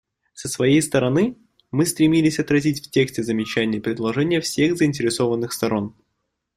Со своей стороны, мы стремились отразить в тексте замечания и предложения всех заинтересованных сторон.